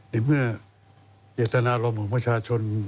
ในเมื่อเจตนารมณ์ของประชาชน